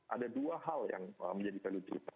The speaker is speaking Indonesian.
ada dua hal yang menjadi kalitatif